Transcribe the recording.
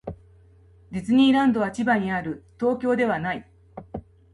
ディズニーランドは千葉にある。東京ではない。